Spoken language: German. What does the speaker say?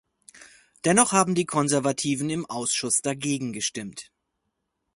Dennoch haben die Konservativen im Ausschuss dagegen gestimmt.